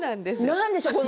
何でしょう。